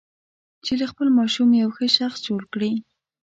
چې له خپل ماشوم یو ښه شخص جوړ کړي.